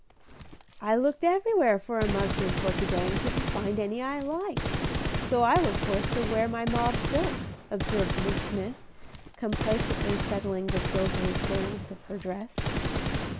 "I looked everywhere for a muslin for to day and couldn't find any I liked, so I was forced to wear my mauve silk," observed Miss Smith, complacently settling the silvery folds of her dress.